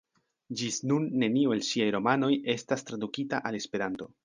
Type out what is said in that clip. Ĝis nun neniu el ŝiaj romanoj estas tradukita al Esperanto.